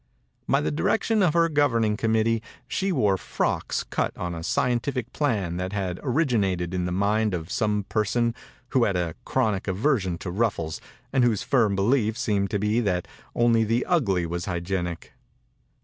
By the di rection of her governing com mittee she wore frocks cut on a scientific plan that had origi nated in the mind of some per son who had a chronic aversion to ruffles and whose firm belief seemed to be that only the ugly was hygienic.